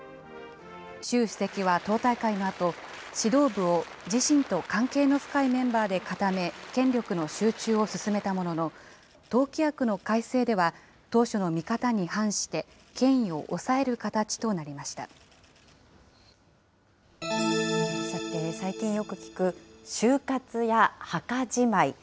習主席は党大会のあと、指導部を自身と関係の深いメンバーで固め、権力の集中を進めたものの、党規約の改正では当初の見方に反して、権威を抑える形となりましさて、最近よく聞く、終活や墓じまい。